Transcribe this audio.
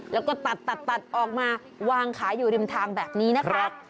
แล้วก็ตัดออกมาวางขายอยู่ริมทางแบบนี้นะคะ